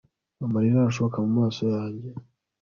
amarira arashoka mu maso yanjye